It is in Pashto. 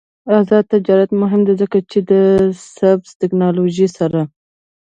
آزاد تجارت مهم دی ځکه چې سبز تکنالوژي رسوي.